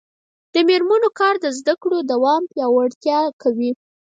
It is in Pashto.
د میرمنو کار د زدکړو دوام پیاوړتیا کوي.